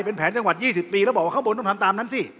เป็นแผนจังหวัด๒๐ปีแล้วบอกว่าข้างบนต้องทำตามนั้นสิ